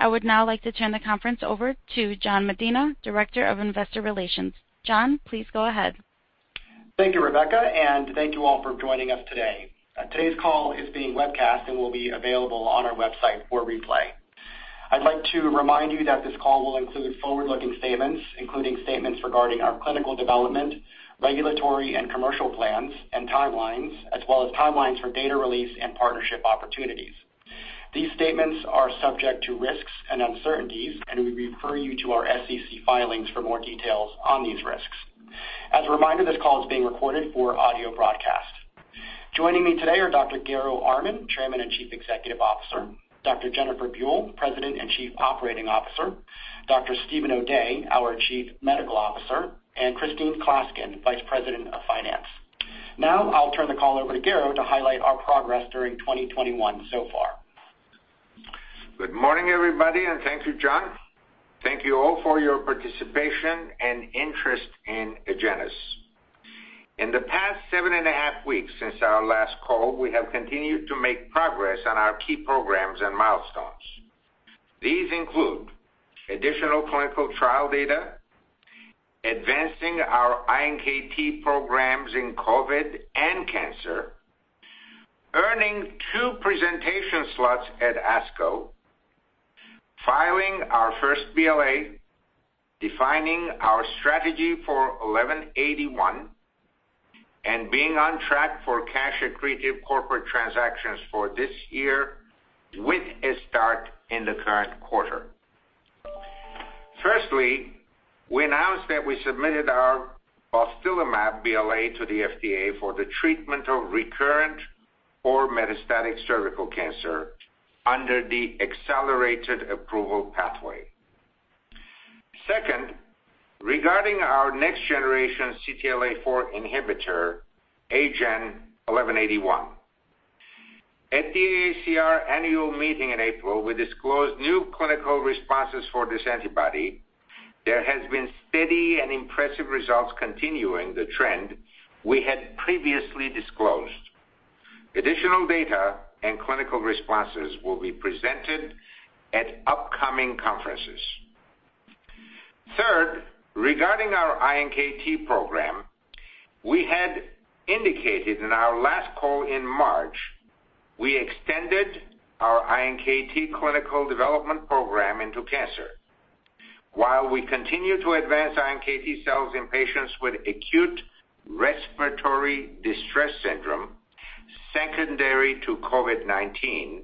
I would now like to turn the conference over to Jan Medina, Director of Investor Relations. Jan, please go ahead. Thank you, Rebecca. Thank you all for joining us today. Today's call is being webcast and will be available on our website for replay. I'd like to remind you that this call will include forward-looking statements, including statements regarding our clinical development, regulatory and commercial plans and timelines, as well as timelines for data release and partnership opportunities. These statements are subject to risks and uncertainties, and we refer you to our SEC filings for more details on these risks. As a reminder, this call is being recorded for audio broadcast. Joining me today are Dr. Garo Armen, Chairman and Chief Executive Officer, Dr. Jennifer Buell, President and Chief Operating Officer, Dr. Steven O'Day, our Chief Medical Officer, and Christine Klaskin, Vice President of Finance. Now, I'll turn the call over to Garo to highlight our progress during 2021 so far. Good morning, everybody, and thank you, Jan. Thank you all for your participation and interest in Agenus. In the past seven and a half weeks since our last call, we have continued to make progress on our key programs and milestones. These include additional clinical trial data, advancing our iNKT programs in COVID-19 and cancer, earning two presentation slots at ASCO, filing our first BLA, defining our strategy for 1181, and being on track for cash-accretive corporate transactions for this year with a start in the current quarter. Firstly, we announced that we submitted our balstilimab BLA to the FDA for the treatment of recurrent or metastatic cervical cancer under the accelerated approval pathway. Second, regarding our next generation CTLA-4 inhibitor, AGEN1181. At the AACR annual meeting in April, we disclosed new clinical responses for this antibody. There has been steady and impressive results continuing the trend we had previously disclosed. Additional data and clinical responses will be presented at upcoming conferences. Third, regarding our iNKT program, we had indicated in our last call in March, we extended our iNKT clinical development program into cancer. While we continue to advance iNKT cells in patients with acute respiratory distress syndrome secondary to COVID-19,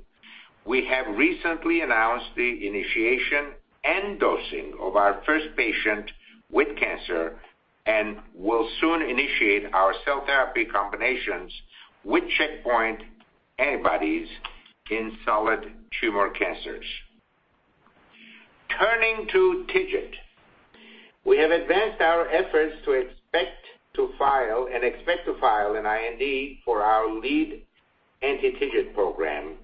we have recently announced the initiation and dosing of our first patient with cancer and will soon initiate our cell therapy combinations with checkpoint antibodies in solid tumor cancers. Turning to TIGIT, we have advanced our efforts to expect to file an IND for our lead anti-TIGIT program,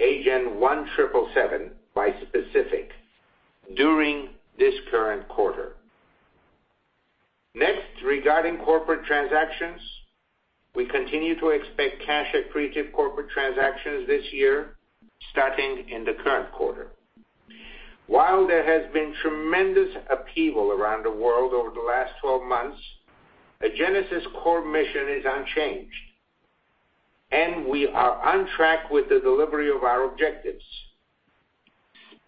AGEN1777 bispecific, during this current quarter. Next, regarding corporate transactions, we continue to expect cash-accretive corporate transactions this year, starting in the current quarter. While there has been tremendous upheaval around the world over the last 12 months, Agenus's core mission is unchanged, and we are on track with the delivery of our objectives.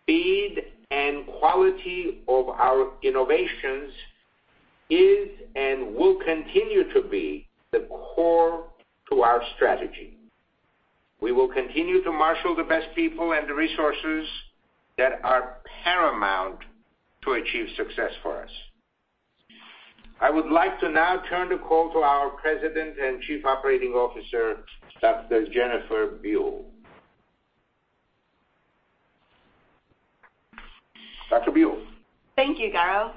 Speed and quality of our innovations is and will continue to be the core to our strategy. We will continue to marshal the best people and the resources that are paramount to achieve success for us. I would like to now turn the call to our President and Chief Operating Officer, Dr. Jennifer Buell. Dr. Buell? Thank you, Garo Armen.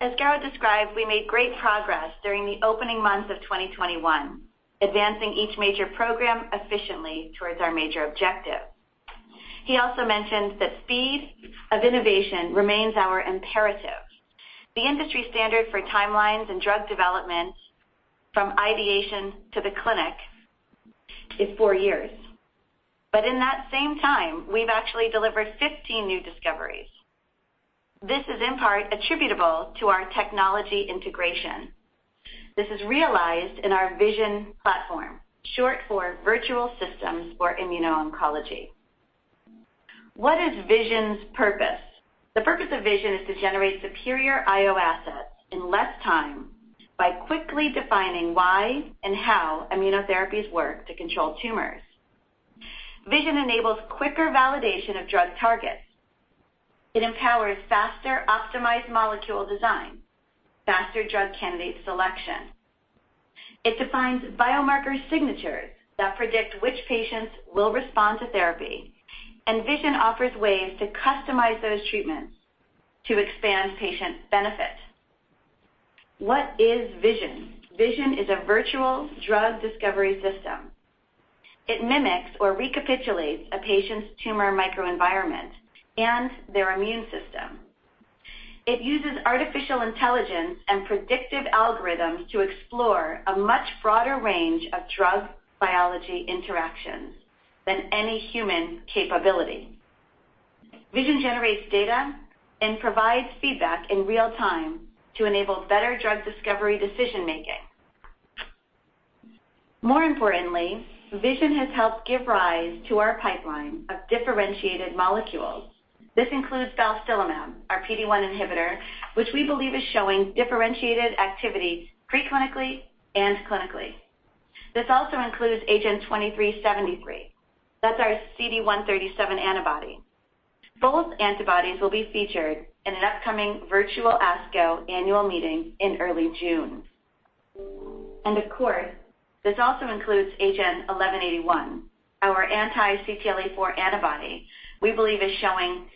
As Garo Armen described, we made great progress during the opening months of 2021, advancing each major program efficiently towards our major objective. He also mentioned that speed of innovation remains our imperative. The industry standard for timelines and drug development from ideation to the clinic is four years, but in that same time, we've actually delivered 15 new discoveries. This is in part attributable to our technology integration. This is realized in our VISION platform, short for Virtual Systems for Immuno-ONcology. What is VISION's purpose? The purpose of VISION is to generate superior IO assets in less time by quickly defining why and how immunotherapies work to control tumors. VISION enables quicker validation of drug targets. It empowers faster optimized molecule design, faster drug candidate selection. It defines biomarker signatures that predict which patients will respond to therapy, and VISION offers ways to customize those treatments to expand patient benefit. What is VISION? VISION is a virtual drug discovery system. It mimics or recapitulates a patient's tumor microenvironment and their immune system. It uses artificial intelligence and predictive algorithms to explore a much broader range of drug-biology interactions than any human capability. VISION generates data and provides feedback in real time to enable better drug discovery decision-making. More importantly, VISION has helped give rise to our pipeline of differentiated molecules. This includes balstilimab, our PD-1 inhibitor, which we believe is showing differentiated activity pre-clinically and clinically. This also includes AGEN2373. That's our CD137 antibody. Both antibodies will be featured in an upcoming virtual ASCO annual meeting in early June. Of course, this also includes AGEN1181, our anti-CTLA-4 antibody we believe is showing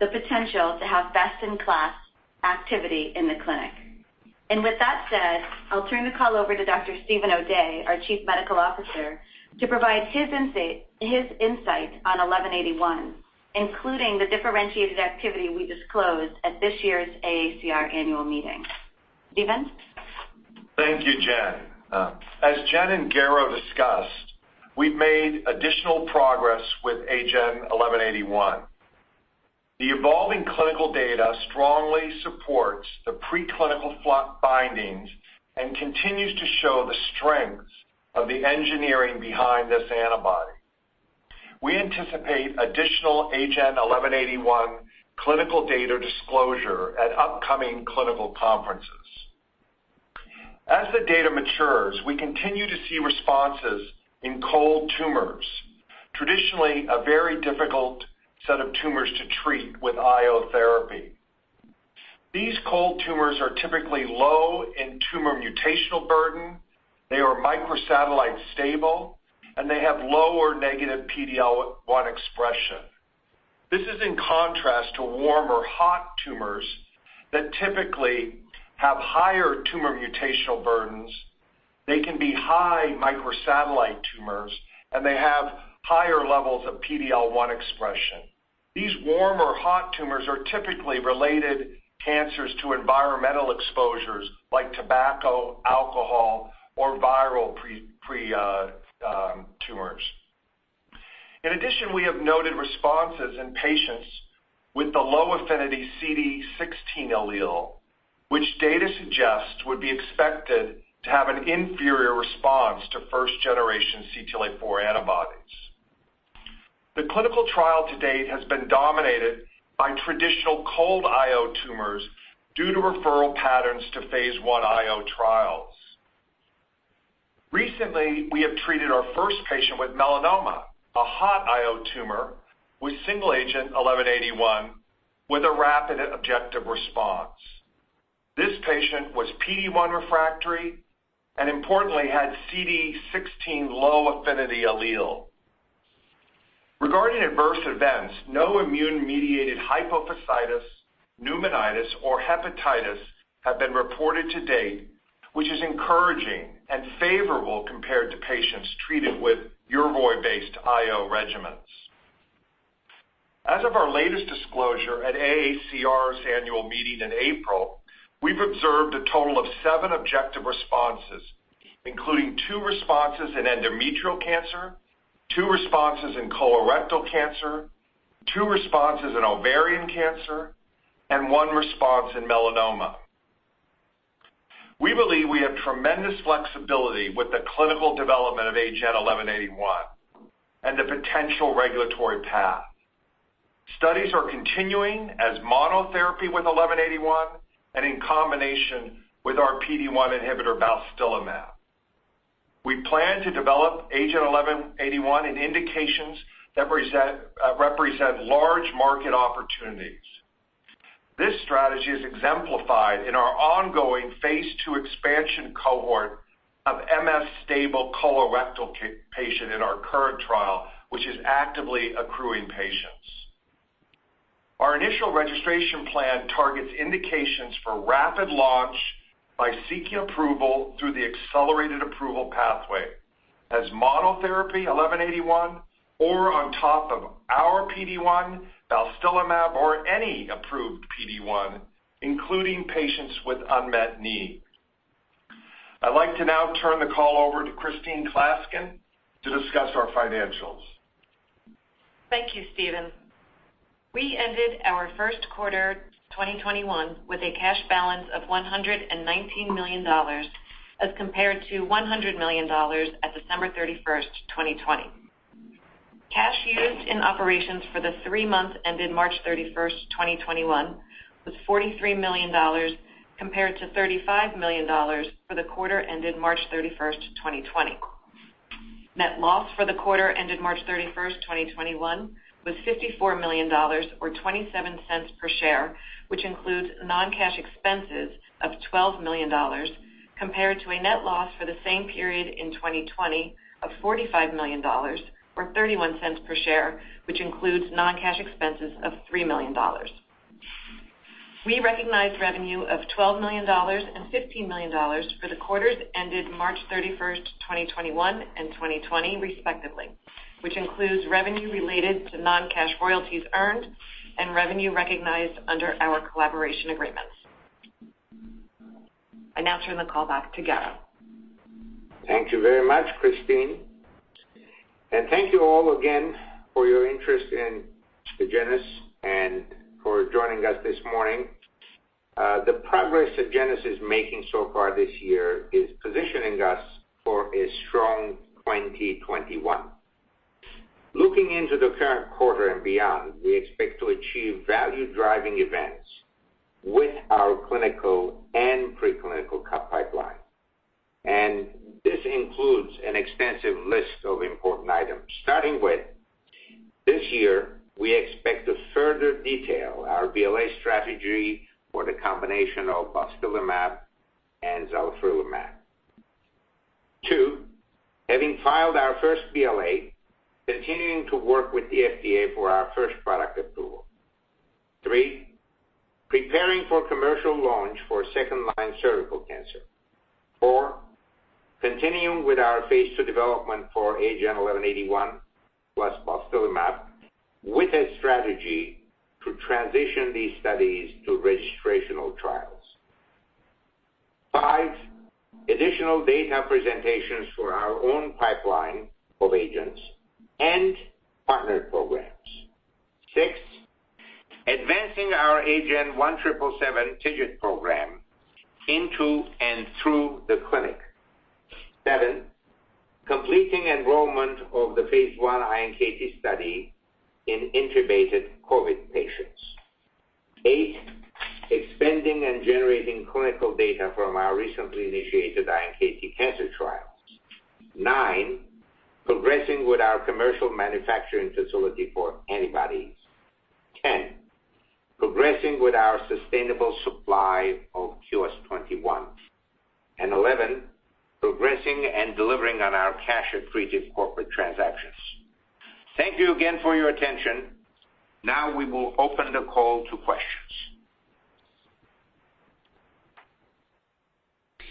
the potential to have best-in-class activity in the clinic. With that said, I'll turn the call over to Dr. Steven O'Day, our Chief Medical Officer, to provide his insight on 1181, including the differentiated activity we disclosed at this year's AACR annual meeting. Steven? Thank you, Jan. As Jan and Garo Armen discussed, we've made additional progress with AGEN1181. The evolving clinical data strongly supports the pre-clinical [flat bindings] and continues to show the strengths of the engineering behind this antibody. We anticipate additional AGEN1181 clinical data disclosure at upcoming clinical conferences. As the data matures, we continue to see responses in cold tumors, traditionally a very difficult set of tumors to treat with IO therapy. These cold tumors are typically low in tumor mutational burden, they are microsatellite stable, and they have low or negative PD-L1 expression. This is in contrast to warm or hot tumors that typically have higher tumor mutational burdens. They can be high microsatellite tumors, and they have higher levels of PD-L1 expression. These warm or hot tumors are typically related cancers to environmental exposures like tobacco, alcohol, or viral pre-tumors. In addition, we have noted responses in patients with the low-affinity CD16 allele, which data suggests would be expected to have an inferior response to first-generation CTLA-4 antibodies. The clinical trial to date has been dominated by traditional cold IO tumors due to referral patterns to phase I IO trials. Recently, we have treated our first patient with melanoma, a hot IO tumor, with single-agent 1181 with a rapid objective response. This patient was PD-1 refractory and importantly had CD16 low-affinity allele. Regarding adverse events, no immune-mediated hypophysitis, pneumonitis, or hepatitis have been reported to date, which is encouraging and favorable compared to patients treated with YERVOY-based IO regimens. As of our latest disclosure at AACR's annual meeting in April, we've observed a total of seven objective responses, including two responses in endometrial cancer, two responses in colorectal cancer, two responses in ovarian cancer, and one response in melanoma. We believe we have tremendous flexibility with the clinical development of AGEN1181 and the potential regulatory path. Studies are continuing as monotherapy with 1181 and in combination with our PD-1 inhibitor, balstilimab. We plan to develop AGEN1181 in indications that represent large market opportunities. This strategy is exemplified in our ongoing phase II expansion cohort of MS-stable colorectal patient in our current trial, which is actively accruing patients. Our initial registration plan targets indications for rapid launch by seeking approval through the accelerated approval pathway as monotherapy 1181 or on top of our PD-1 balstilimab or any approved PD-1, including patients with unmet need. I'd like to now turn the call over to Christine Klaskin to discuss our financials. Thank you, Steven. We ended our first quarter 2021 with a cash balance of $119 million as compared to $100 million at December 31st, 2020. Cash used in operations for the three months ended March 31st, 2021, was $43 million, compared to $35 million for the quarter ended March 31st, 2020. Net loss for the quarter ended March 31, 2021 was $54 million or $0.27 per share, which includes non-cash expenses of $12 million compared to a net loss for the same period in 2020 of $45 million or $0.31 per share, which includes non-cash expenses of $3 million. We recognized revenue of $12 million and $15 million for the quarters ended March 31, 2021 and 2020 respectively, which includes revenue related to non-cash royalties earned and revenue recognized under our collaboration agreements. I now turn the call back to Garo Armen. Thank you very much, Christine, thank you all again for your interest in Agenus and for joining us this morning. The progress Agenus is making so far this year is positioning us for a strong 2021. Looking into the current quarter and beyond, we expect to achieve value-driving events with our clinical and pre-clinical pipeline. This includes an extensive list of important items, starting with this year, we expect to further detail our BLA strategy for the combination of balstilimab and zalifrelimab. Two, having filed our first BLA, continuing to work with the FDA for our first product approval. Three, preparing for commercial launch for second-line cervical cancer. Four, continuing with our phase II development for AGEN1181 plus balstilimab with a strategy to transition these studies to registrational trials. Five, additional data presentations for our own pipeline of agents and partnered programs. Six, advancing our AGEN1777 TIGIT program into and through the clinic. Seven, completing enrollment of the phase I iNKT study in intubated COVID patients. Eight, expanding and generating clinical data from our recently initiated iNKT cancer trials. Nine, progressing with our commercial manufacturing facility for antibodies. 10, progressing with our sustainable supply of QS-21. 11, progressing and delivering on our cash accretive corporate transactions. Thank you again for your attention. Now, we will open the call to questions.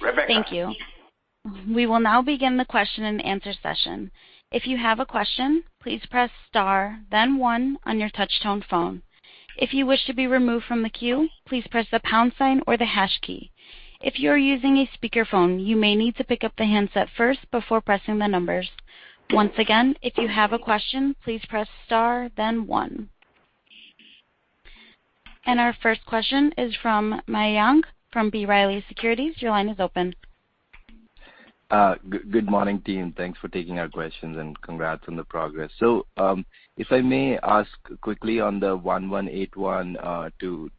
Rebecca. Thank you. We will now begin the question and answer session. If you have a question, please press star then one on your touch-tone phone. If you wish to be removed from the queue, please press the pound sign or the hash key. If you are using a speaker phone, you may need to pick up the handset first before pressing the numbers. Once again, if you have a question, please press star then one. Our first question is from Mayank from B. Riley Securities. Your line is open. Good morning, team. Thanks for taking our questions and congrats on the progress. If I may ask quickly on the AGEN1181 to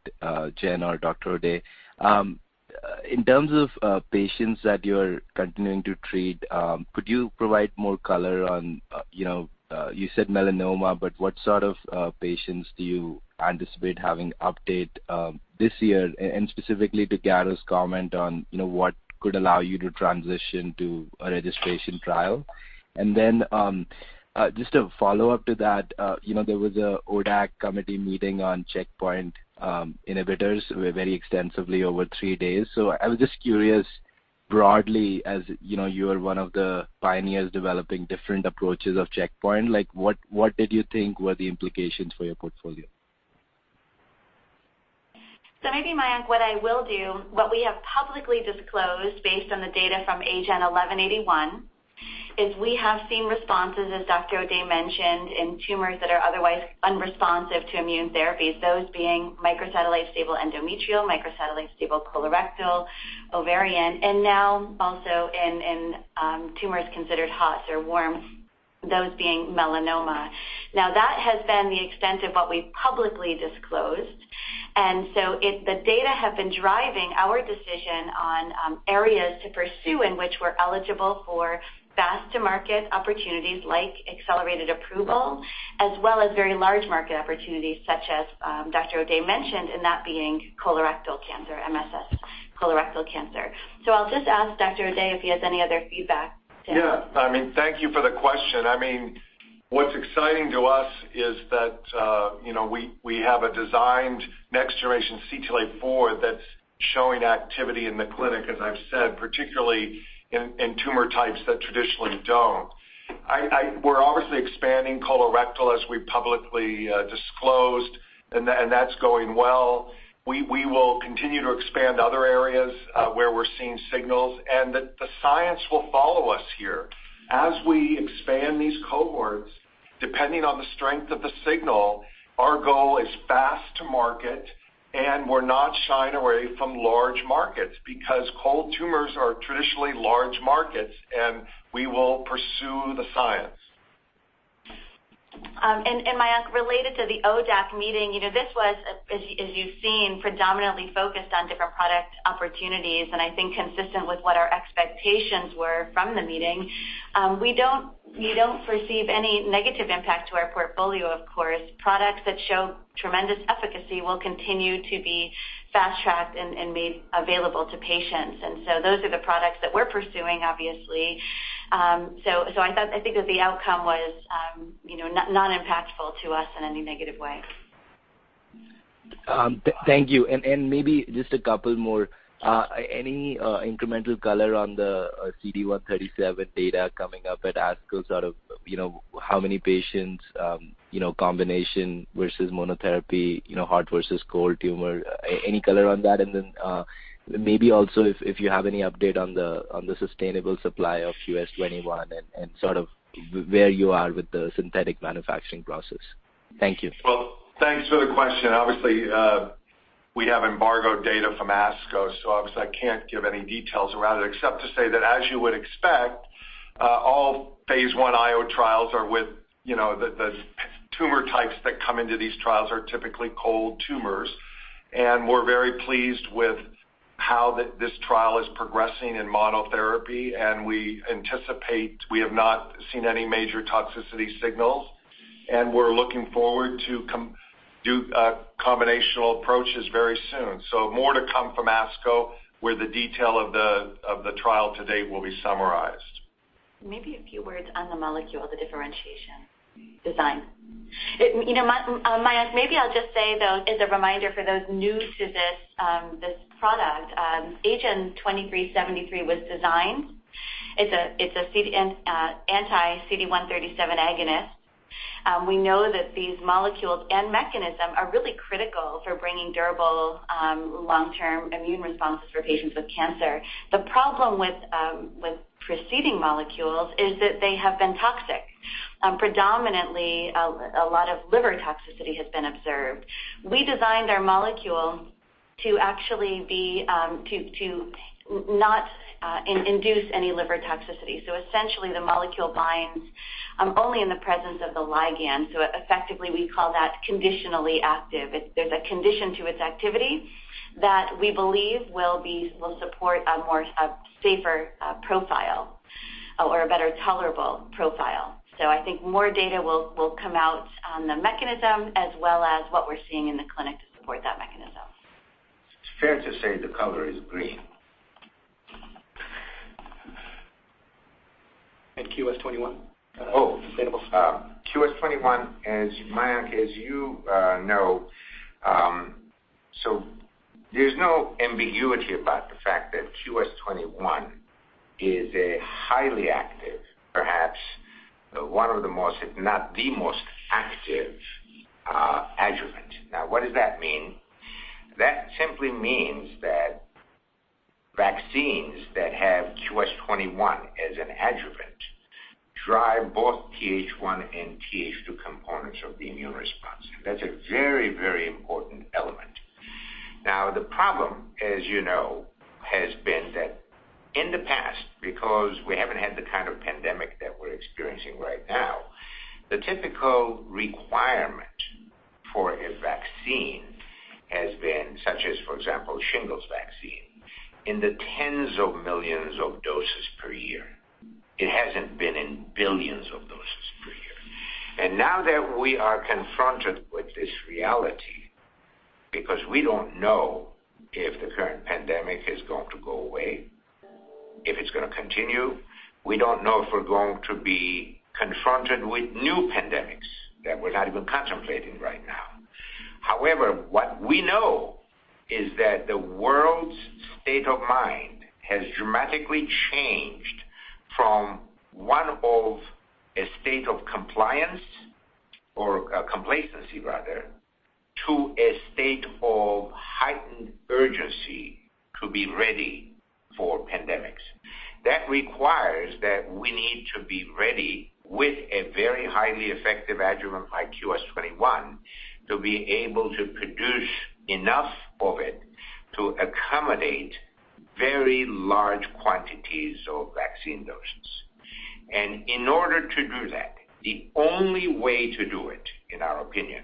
Jen or Dr. Steven O'Day. In terms of patients that you're continuing to treat, could you provide more color on, you know, you said melanoma, but what sort of patients do you anticipate having update this year and specifically to Garo Armen's comment on what could allow you to transition to a registration trial? Then, just a follow-up to that, there was an ODAC committee meeting on checkpoint inhibitors very extensively over three days. I was just curious broadly as, you know, you are one of the pioneers developing different approaches of checkpoint, what did you think were the implications for your portfolio? Maybe Mayank, what I will do, what we have publicly disclosed based on the data from AGEN1181, is we have seen responses, as Dr. O'Day mentioned, in tumors that are otherwise unresponsive to immune therapies, those being microsatellite stable endometrial, microsatellite stable colorectal, ovarian, and now also in tumors considered hot or warm, those being melanoma. Now, that has been the extent of what we've publicly disclosed. If the data have been driving our decision on areas to pursue in which we're eligible for fast-to-market opportunities like accelerated approval, as well as very large market opportunities such as Dr. O'Day mentioned, and that being colorectal cancer, MSS colorectal cancer. I'll just ask Dr. O'Day if he has any other feedback to add. Yeah. Thank you for the question. What's exciting to us is that we have a designed next-generation CTLA-4 that's showing activity in the clinic, as I've said, particularly in tumor types that traditionally don't. We're obviously expanding colorectal as we publicly disclosed, and that's going well. We will continue to expand other areas where we're seeing signals, and the science will follow us here. As we expand these cohorts, depending on the strength of the signal, our goal is fast to market, and we're not shying away from large markets because cold tumors are traditionally large markets and we will pursue the science. Mayank, related to the ODAC meeting, this was, as you've seen, predominantly focused on different product opportunities, and I think consistent with what our expectations were from the meeting. We don't perceive any negative impact to our portfolio, of course. Products that show tremendous efficacy will continue to be fast-tracked and made available to patients. Those are the products that we're pursuing, obviously. I think that the outcome was non-impactful to us in any negative way. Thank you. Maybe just a couple more. Any incremental color on the CD137 data coming up at ASCO, sort of how many patients, combination versus monotherapy, hot versus cold tumor, any color on that? Maybe also if you have any update on the sustainable supply of QS-21 and sort of where you are with the synthetic manufacturing process. Thank you. Well, thanks for the question. Obviously, we have embargoed data from ASCO, so I can't give any details around it except to say that, as you would expect, all phase I IO trials are with, you know, the tumor types that come into these trials are typically cold tumors. We're very pleased with how this trial is progressing in monotherapy, and we anticipate we have not seen any major toxicity signals, and we're looking forward to do combinational approaches very soon. More to come from ASCO, where the detail of the trial to date will be summarized. Maybe a few words on the molecule, the differentiation design. Mayank, maybe I'll just say, though, as a reminder for those new to this product, AGEN2373 was designed. It's an anti-CD137 agonist. We know that these molecules and mechanism are really critical for bringing durable, long-term immune responses for patients with cancer. The problem with preceding molecules is that they have been toxic. Predominantly, a lot of liver toxicity has been observed. We designed our molecule to actually not induce any liver toxicity. Essentially, the molecule binds only in the presence of the ligand. Effectively, we call that conditionally active. There's a condition to its activity that we believe will support a more safer profile or a better tolerable profile. I think more data will come out on the mechanism as well as what we're seeing in the clinic to support that mechanism. It's fair to say the color is green. QS-21? QS-21, Mayank, as you know, so there's no ambiguity about the fact that QS-21 is a highly active, perhaps one of the most, if not the most active adjuvant. Now, what does that mean? That simply means that vaccines that have QS-21 as an adjuvant drive both Th1 and Th2 components of the immune response. That's a very important element. Now, the problem, as you know, has been that in the past, because we haven't had the kind of pandemic that we're experiencing right now, the typical requirement for a vaccine has been, such as, for example, shingles vaccine, in the tens of millions of doses per year. It hasn't been in billions of doses per year. Now that we are confronted with this reality, because we don't know if the current pandemic is going to go away, if it's going to continue. We don't know if we're going to be confronted with new pandemics that we're not even contemplating right now. However, what we know is that the world's state of mind has dramatically changed from one of a state of compliance or complacency, rather, to a state of heightened urgency to be ready for pandemics. That requires that we need to be ready with a very highly effective adjuvant like QS-21 to be able to produce enough of it to accommodate very large quantities of vaccine doses. In order to do that, the only way to do it, in our opinion,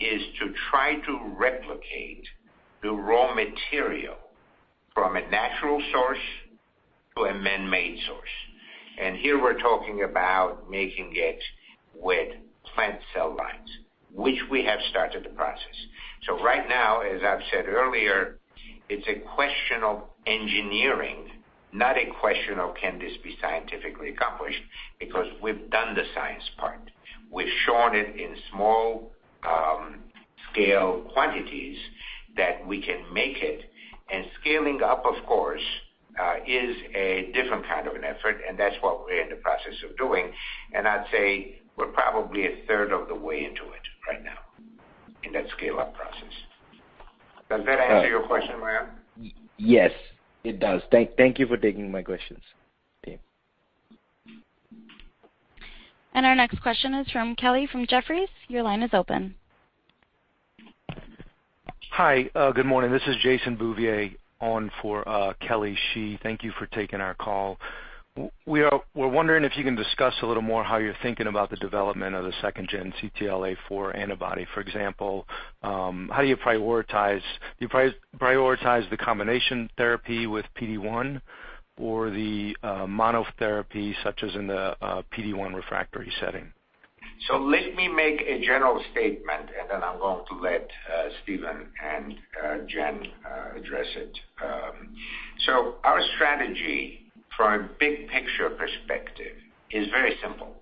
is to try to replicate the raw material from a natural source to a man-made source. Here we're talking about making it with plant cell lines, which we have started the process. Right now, as I've said earlier, it's a question of engineering, not a question of can this be scientifically accomplished, because we've done the science part. We've shown it in small-scale quantities that we can make it. Scaling up, of course, is a different kind of an effort, and that's what we're in the process of doing. I'd say we're probably a third of the way into it right now in that scale-up process. Does that answer your question, Mayank? Yes, it does. Thank you for taking my questions. Our next question is from Kelly from Jefferies. Your line is open. Hi. Good morning. This is Jason Bouvier on for Kelly Shi. Thank you for taking our call. We're wondering if you can discuss a little more how you're thinking about the development of the second-gen CTLA-4 antibody. For example, how do you prioritize? Do you prioritize the combination therapy with PD-1 or the monotherapy, such as in the PD-1 refractory setting? Let me make a general statement, and then I'm going to let Steven and Jen address it. Our strategy from a big picture perspective is very simple,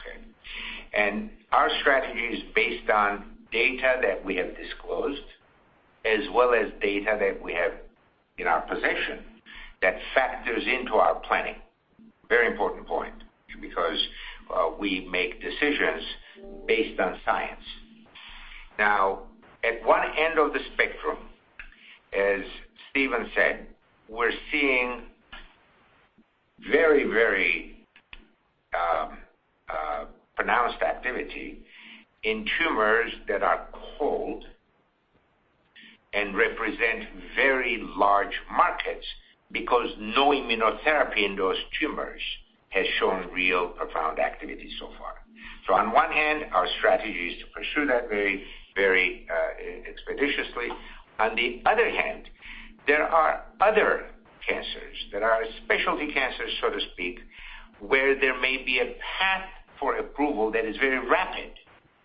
okay? Our strategy is based on data that we have disclosed as well as data that we have in our possession that factors into our planning. Very important point, because we make decisions based on science. Now, at one end of the spectrum, as Steven said, we're seeing very pronounced activity in tumors that are cold and represent very large markets because no immunotherapy in those tumors has shown real profound activity so far. On one hand, our strategy is to pursue that very expeditiously. On the other hand, there are other cancers that are specialty cancers, so to speak, where there may be a path for approval that is very rapid.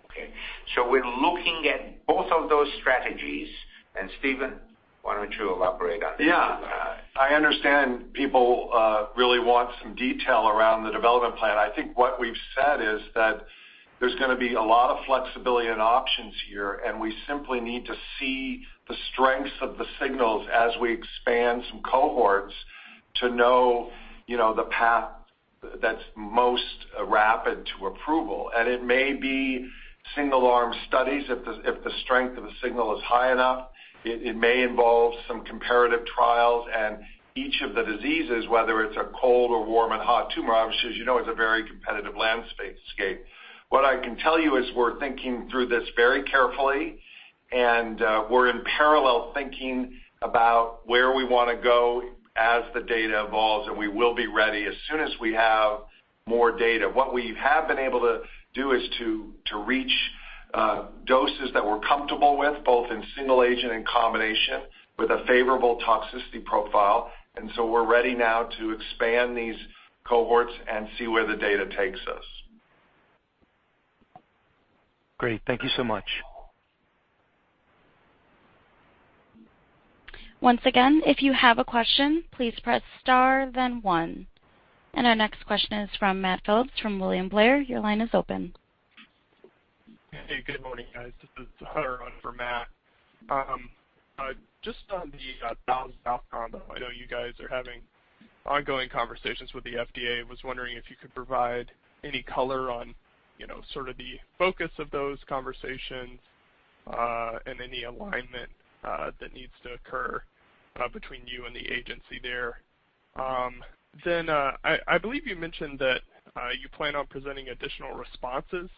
Okay? We're looking at both of those strategies. Steven, why don't you elaborate on that? Yeah. I understand people really want some detail around the development plan. I think what we've said is that there's going to be a lot of flexibility and options here, and we simply need to see the strengths of the signals as we expand some cohorts to know, you know, the path that's most rapid to approval. It may be single-arm studies if the strength of the signal is high enough. It may involve some comparative trials and each of the diseases, whether it's a cold or warm and hot tumor, obviously, as you know, it's a very competitive landscape. What I can tell you is we're thinking through this very carefully, and we're in parallel thinking about where we want to go as the data evolves, and we will be ready as soon as we have more data. What we have been able to do is to reach doses that we're comfortable with, both in single agent and combination, with a favorable toxicity profile. We're ready now to expand these cohorts and see where the data takes us. Great. Thank you so much. Once again, if you have a question, please press star then one. Our next question is from Matt Phipps from William Blair. Your line is open. Hey, good morning, guys. This is Hunter on for Matt. Just on the balstilimab/zalifrelimab combo, I know you guys are having ongoing conversations with the FDA. Was wondering if you could provide any color on sort of the focus of those conversations, and any alignment that needs to occur between you and the agency there? I believe you mentioned that you plan on presenting additional responses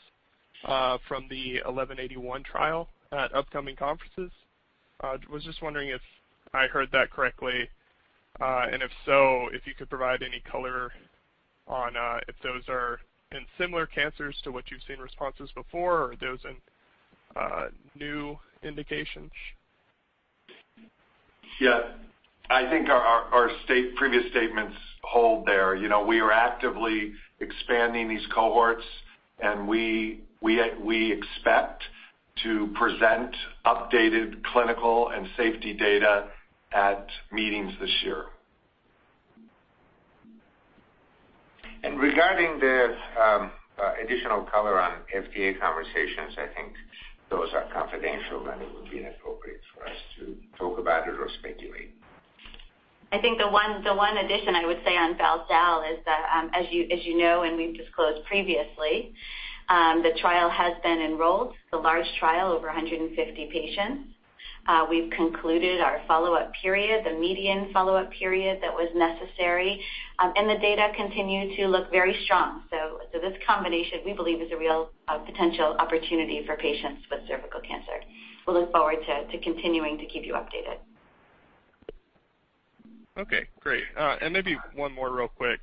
from the AGEN1181 trial at upcoming conferences. Was just wondering if I heard that correctly, and if so, if you could provide any color on if those are in similar cancers to what you've seen responses before, or are those in new indications? I think our previous statements hold there. You know, we are actively expanding these cohorts, and we expect to present updated clinical and safety data at meetings this year. Regarding the additional color on FDA conversations, I think those are confidential, and it would be inappropriate for us to talk about it or speculate. I think the one addition I would say on balstilimab/zalifrelimab is that, as you know and we've disclosed previously, the trial has been enrolled, the large trial over 150 patients. We've concluded our follow-up period, the median follow-up period that was necessary, and the data continue to look very strong. This combination, we believe, is a real potential opportunity for patients with cervical cancer. We'll look forward to continuing to keep you updated. Okay, great. Maybe one more real quick.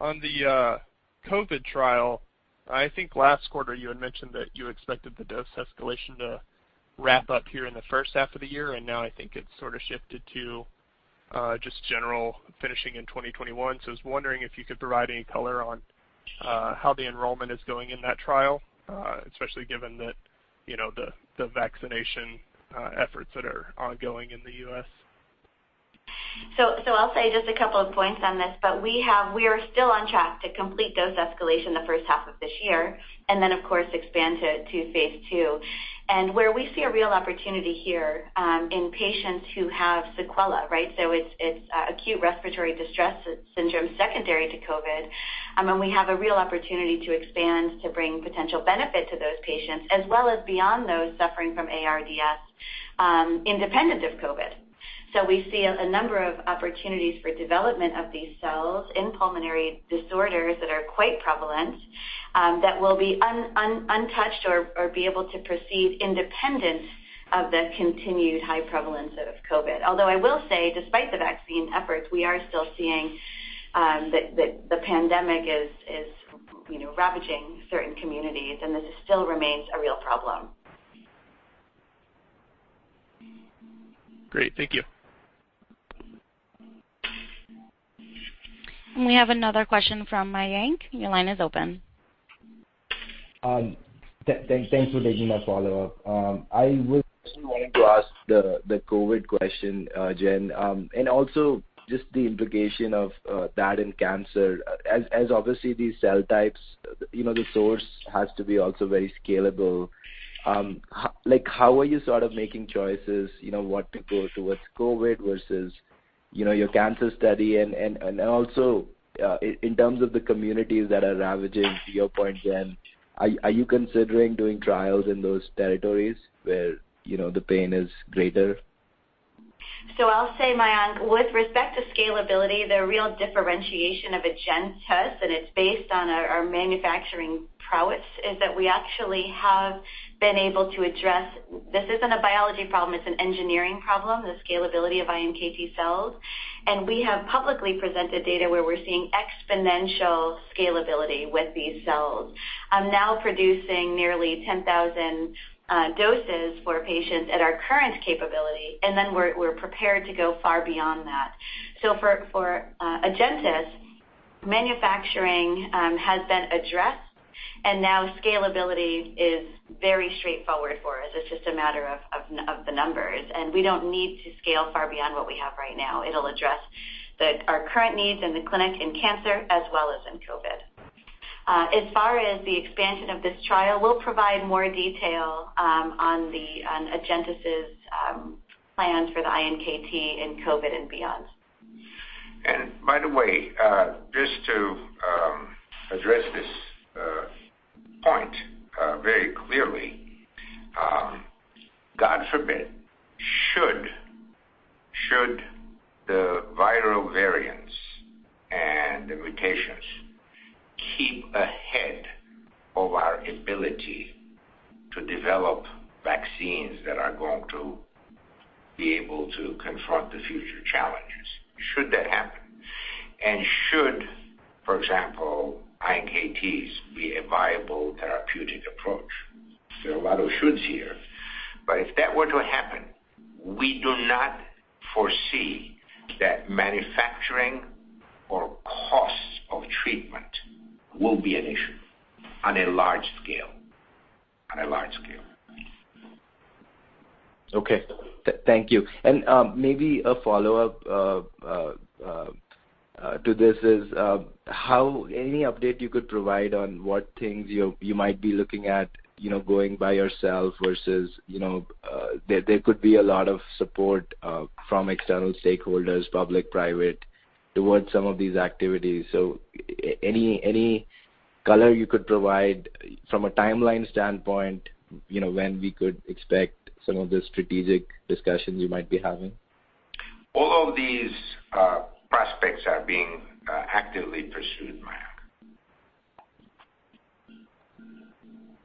On the COVID trial, I think last quarter you had mentioned that you expected the dose escalation to wrap up here in the first half of the year, and now I think it's sort of shifted to just general finishing in 2021. I was wondering if you could provide any color on how the enrollment is going in that trial, especially given, you know, the vaccination efforts that are ongoing in the U.S. I'll say just a couple of points on this, but we are still on track to complete dose escalation the first half of this year, and then of course expand to phase II. Where we see a real opportunity here, in patients who have sequela. It's acute respiratory distress syndrome secondary to COVID-19. We have a real opportunity to expand to bring potential benefit to those patients as well as beyond those suffering from ARDS independent of COVID-19. We see a number of opportunities for development of these cells in pulmonary disorders that are quite prevalent, that will be untouched or be able to proceed independent of the continued high prevalence of COVID-19. Although I will say, despite the vaccine efforts, we are still seeing that the pandemic is ravaging certain communities, and this still remains a real problem. Great. Thank you. We have another question from Mayank. Your line is open. Thanks for taking my follow-up. I was actually wanting to ask the COVID question, Jen, and also just the implication of that in cancer, as obviously these cell types, the source has to be also very scalable. How are you making choices, what to go towards COVID versus your cancer study and also, in terms of the communities that are ravaging, to your point, Jen, are you considering doing trials in those territories where the pain is greater? I'll say, Mayank, with respect to scalability, the real differentiation of Agenus, and it's based on our manufacturing prowess, is that we actually have been able to address. This isn't a biology problem, it's an engineering problem, the scalability of iNKT cells. We have publicly presented data where we're seeing exponential scalability with these cells. I'm now producing nearly 10,000 doses for patients at our current capability, and then we're prepared to go far beyond that. For Agenus, manufacturing has been addressed, and now scalability is very straightforward for us. It's just a matter of the numbers. We don't need to scale far beyond what we have right now. It'll address our current needs in the clinic, in cancer, as well as in COVID. As far as the expansion of this trial, we'll provide more detail on Agenus' plans for the iNKT in COVID and beyond. By the way, just to address this point very clearly. God forbid, should the viral variants and the mutations keep ahead of our ability to develop vaccines that are going to be able to confront the future challenges, should that happen, and should, for example, iNKTs be a viable therapeutic approach. There are a lot of shoulds here, but if that were to happen, we do not foresee that manufacturing or cost of treatment will be an issue on a large scale. Okay. Thank you. Maybe a follow-up to this is, any update you could provide on what things you might be looking at, going by yourself versus there could be a lot of support from external stakeholders, public, private, towards some of these activities. Any color you could provide from a timeline standpoint, when we could expect some of the strategic discussions you might be having? All of these prospects are being actively pursued, Mayank.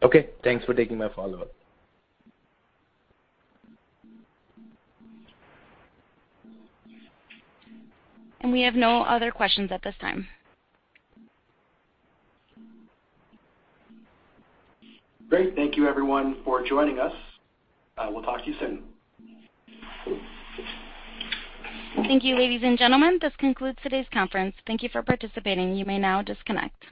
Okay, thanks for taking my follow-up. We have no other questions at this time. Great. Thank you everyone for joining us. We will talk to you soon. Thank you, ladies and gentlemen. This concludes today's conference. Thank you for participating. You may now disconnect.